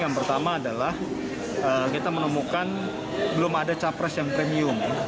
yang pertama adalah kita menemukan belum ada capres yang premium